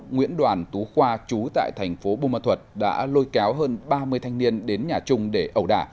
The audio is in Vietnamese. nguyễn đoàn tú khoa trú tại thành phố bùa mật thuật đã lôi kéo hơn ba mươi thanh niên đến nhà trung để ẩu đả